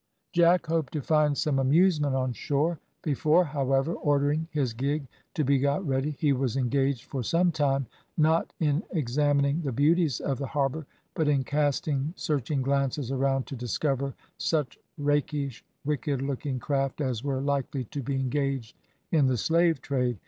Jack hoped to find some amusement on shore. Before, however, ordering his gig to be got ready, he was engaged for some time, not in examining the beauties of the harbour, but in casting searching glances around to discover such rakish, wicked looking craft as were likely to be engaged in the slave trade.